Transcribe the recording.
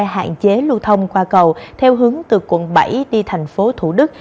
hạn chế lưu thông qua cầu theo hướng từ quận bảy đi thành phố thủ đức